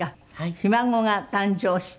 ひ孫が誕生して。